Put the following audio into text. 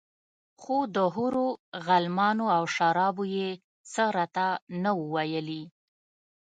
خو د حورو غلمانو او شرابو يې څه راته نه وو ويلي.